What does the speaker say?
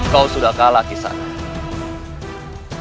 kau sudah kalah kisada